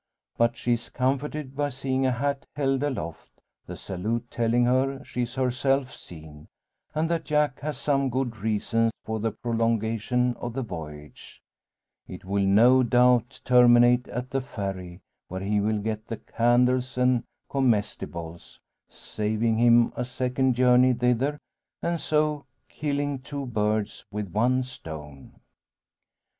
But she is comforted by seeing a hat held aloft the salute telling her she is herself seen; and that Jack has some good reason for the prolongation of the voyage. It will no doubt terminate at the Ferry, where he will get the candles and comestibles, saving him a second journey thither, and so killing two birds with one stone.